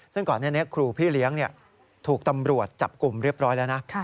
ซึ่งก่อนหน้านี้ครูพี่เลี้ยงถูกตำรวจจับกลุ่มเรียบร้อยแล้วนะ